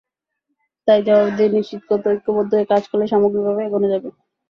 তাই জবাবদিহি নিশ্চিত করে ঐক্যবদ্ধ হয়ে কাজ করলেই সামগ্রিকভাবে এগোনো যাবে।